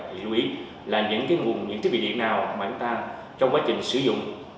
thì lưu ý là những nguồn những thiết bị điện nào mà chúng ta trong quá trình sử dụng